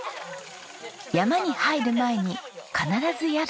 山に入る前に必ずやるのが。